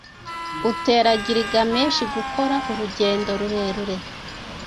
utera Gilgamesh gukora urugendo rurerure